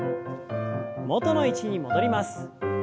元の位置に戻ります。